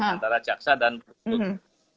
antara jaksa dan prusut